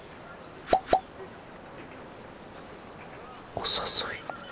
お誘い。